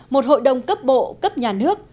một hội đồng cấp bộ cấp nhà nước